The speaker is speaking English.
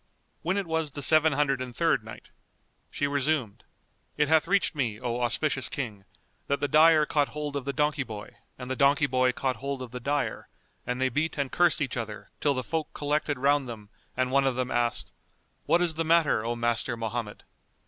When it was the Seven Hundred and Third Night, She resumed, It hath reached me, O auspicious King, that the dyer caught hold of the donkey boy and the donkey boy caught hold of the dyer and they beat and cursed each other till the folk collected round them and one of them asked, "What is the matter, O Master Mohammed?"